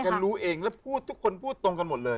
รู้เองแล้วพูดทุกคนพูดตรงกันหมดเลย